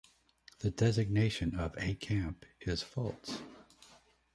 The designation of "a camp" is false.